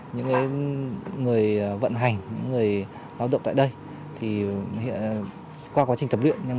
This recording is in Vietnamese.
những người vận hành những người lao động tại đây qua quá trình tập luyện